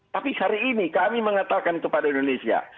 tapi hari ini kami mengatakan kepada indonesia